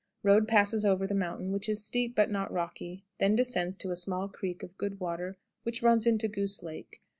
Road passes over the mountain, which is steep but not rocky, then descends to a small creek of good water which runs into Goose Lake.